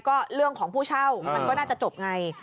ก็เรื่องของผู้เช่ามันก็น่าจะจบไง